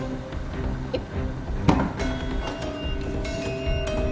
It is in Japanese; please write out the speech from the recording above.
えっ？